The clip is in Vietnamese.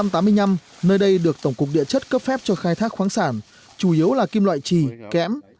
từ năm một nghìn chín trăm tám mươi năm nơi đây được tổng cục địa chất cấp phép cho khai thác khoáng sản chủ yếu là kim loại trì kẽm